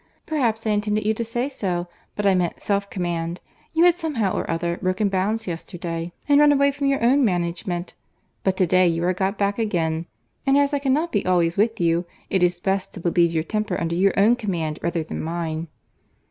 "Perhaps I intended you to say so, but I meant self command. You had, somehow or other, broken bounds yesterday, and run away from your own management; but to day you are got back again—and as I cannot be always with you, it is best to believe your temper under your own command rather than mine."